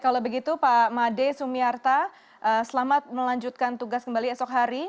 kalau begitu pak made sumiarta selamat melanjutkan tugas kembali esok hari